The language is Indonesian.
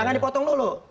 jangan dipotong dulu